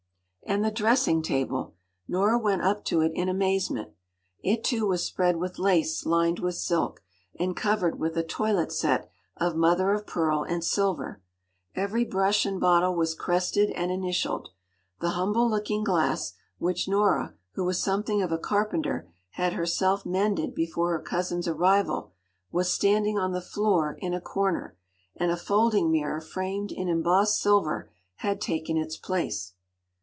And the dressing table! Nora went up to it in amazement. It too was spread with lace lined with silk, and covered with a toilet set of mother of pearl and silver. Every brush and bottle was crested and initialled. The humble looking glass, which Nora, who was something of a carpenter, had herself mended before her cousin’s arrival, was standing on the floor in a corner, and a folding mirror framed in embossed silver had taken its place.